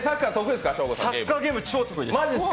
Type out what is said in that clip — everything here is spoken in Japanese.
サッカーゲーム、超得意です！